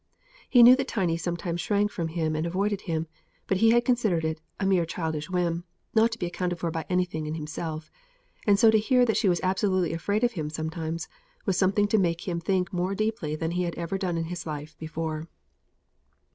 He knew that Tiny sometimes shrank from and avoided him; but he had considered it a mere childish whim, not to be accounted for by anything in himself; and so to hear that she was absolutely afraid of him sometimes was something to make him think more deeply than he had ever done in his life before.